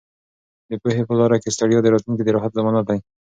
د پوهې په لاره کې ستړیا د راتلونکي د راحت ضمانت دی.